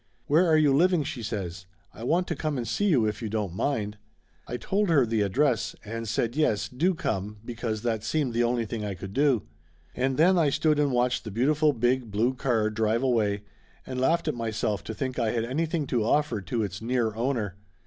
"Where are you living?" she says. "I want to come and see you if you don't mind." I told her the address, and said yes, do come, be cause that seemed the only thing I could do. And then I stood and watched the beautiful big blue car drive away, and laughed at myself to think I had anything to offer to its near owner!